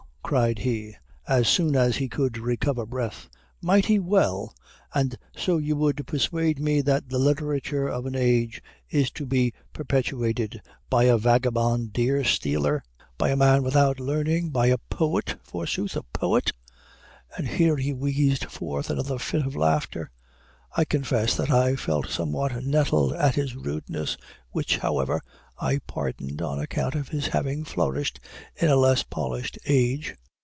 cried he, as soon as he could recover breath, "mighty well! and so you would persuade me that the literature of an age is to be perpetuated by a vagabond deer stealer! by a man without learning; by a poet, forsooth a poet!" And here he wheezed forth another fit of laughter. I confess that I felt somewhat nettled at this rudeness, which, however, I pardoned on account of his having flourished in a less polished age.